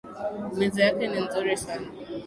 Meza yake ni nzuri sana